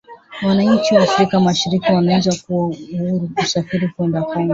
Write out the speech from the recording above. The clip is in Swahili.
Wananchi wa Afrika Mashariki wanaweza kuwa huru kusafiri kwenda Kongo